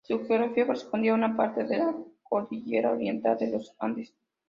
Su geografía corresponde a una parte de la cordillera oriental de los Andes.